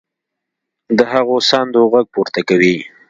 د هغو ساندو غږ پورته کوي.